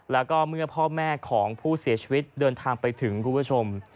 แล้วก็เมื่อพ่อแม่ของผู้เสียชีวิตเดินทางไปถึงคุณผู้ชม